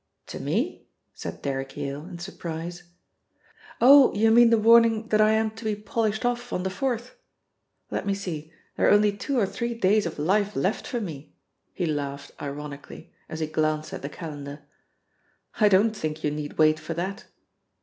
"To me?" said Derrick in surprise. "Oh, you mean the warning that I am to be polished off on the fourth? Let me see, there are only two or three days of life left for me," he laughed ironically as he glanced at the calendar. "I don't think you need wait for that.